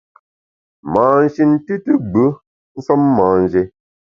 Mâ shin tùtù gbù nsem manjé.